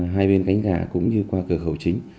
hai bên cánh gà cũng như qua cửa khẩu chính